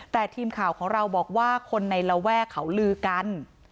แต่ทีมข่าวของเราบอกว่าคนในระแวกเขาลือกัน